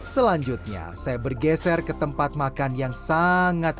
weird makanan ini biasa banget kalian khusus sekali buat makan yang sangat